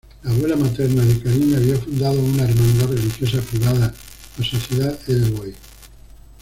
La abuela materna de Carin había fundado una hermandad religiosa privada, la Sociedad Edelweiss.